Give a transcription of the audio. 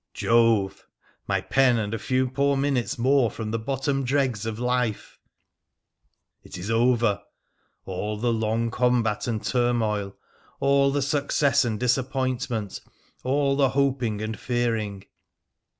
Jove !— my pen, and a few poor minutes more from the bottom dregs of life ! It is over ! all the long combat and turmoil, all the success and disappointment, all the hoping and fearing.